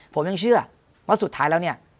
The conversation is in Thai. ผมยังเชื่อว่าสุดท้ายแล้วเนี่ย